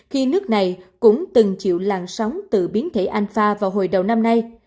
khi nước này cũng từng chịu làn sóng từ biến thể anfa vào hồi đầu năm nay